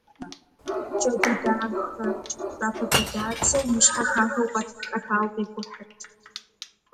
Красивая кошка с пушистым хвостом гордо вышагивает.